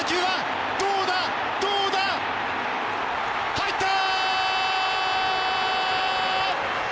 入った！